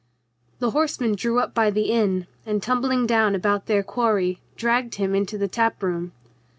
The horsemen drew up by the inn and, tumbling down about their quarry, dragged him into the tap room.